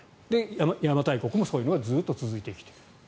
邪馬台国もそういうのがずっと続いてきている。